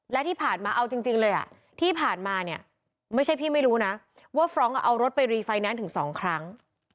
และที่ผ่านมาเอาจริงเลยที่ผ่านมาเนี่ยไม่ใช่พี่ไม่รู้นะว่าฟรองก์เอารถไปรีไฟแนนซ์ถึง๒ครั้ง